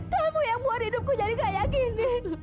kamu yang mur hidupku jadi kayak gini